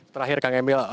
terakhir kang emil